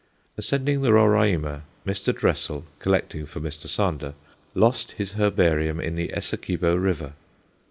Ascending the Roraima, Mr. Dressel, collecting for Mr. Sander, lost his herbarium in the Essequibo River.